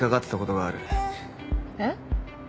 えっ？